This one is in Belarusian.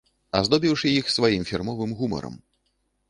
Аздобіўшы іх сваім фірмовым гумарам.